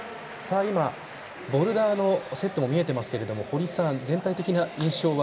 今、ボルダーのセットも見えていますけど堀さん、全体的な印象は？